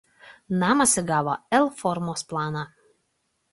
Namas įgavo L formos planą.